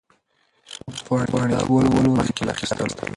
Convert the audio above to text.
څو پاڼې کتاب ولولئ مخکې له اخيستلو.